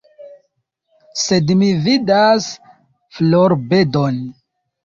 Sed mi vidas florbedon.